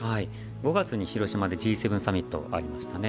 ５月に広島でＧ７サミットがありましたね。